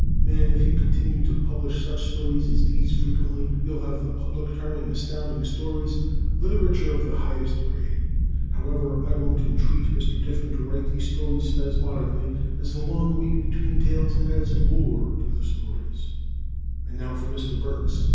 Man, if you continue to publish such stories as these frequently, you'll have the public terming Astounding Stories literature of the highest grade! However, I won't entreat Mr. Diffin to write these stories spasmodically, as the long wait between tales adds lure to the stories. And now for Mr. Burks.